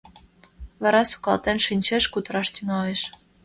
Вара сукалтен шинчеш, кутыраш тӱҥалеш: